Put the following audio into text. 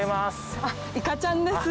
いかちゃんです。